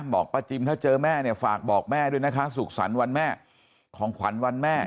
บอกป้าจิมถ้าเจอแม่เนี่ยฝากบอกแม่ด้วยนะคะสุขสรรค์วันแม่ของขวัญวันแม่